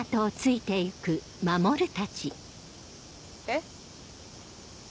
えっ？